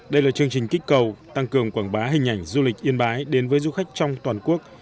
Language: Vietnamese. đây là chương trình kích cầu tăng cường quảng bá hình ảnh du lịch yên bái đến với du khách trong toàn quốc